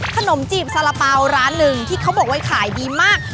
ขนมจีบสารเป๋าร้านหนึ่งที่เขาบอกว่าขายดีมาก